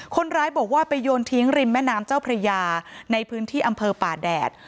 คนร้ายบอกว่าไปโยนทิ้งริมแม่น้ำเจ้าพระยาในพื้นที่อำเภอป่าแดด